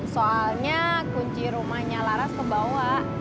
soalnya kunci rumahnya laras kebawah